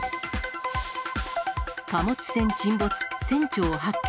貨物船沈没、船長発見。